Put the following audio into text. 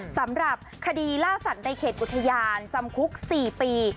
สำหรับคดีล่าสัตว์ในเขตอุทยานจำคุก๔ปี